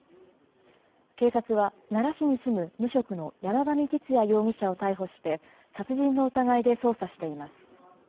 警察は、奈良市に住む無職の山上徹也容疑者を逮捕して、殺人の疑いで捜査しています。